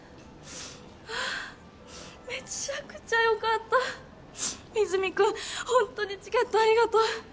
ああめちゃくちゃよかった和泉君ホントにチケットありがとう